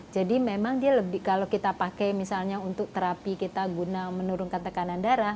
jadi memang dia lebih kalau kita pakai misalnya untuk terapi kita guna menurunkan tekanan darah